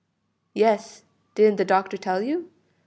"Yes, didn't the doctor tell you?